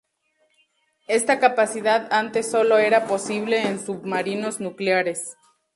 Esta capacidad antes solo era posible en submarinos nucleares.